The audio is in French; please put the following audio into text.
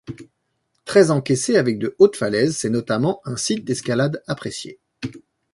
Très encaissée, avec de hautes falaises, c'est notamment un site d'escalade apprécié.